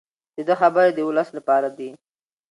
د ده خبرې د ولس لپاره دي.